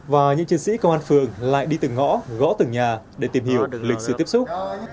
và những chiến sĩ công an phường lại đi từng ngõ gõ từng nhà để tìm hiểu lịch sử tiếp xúc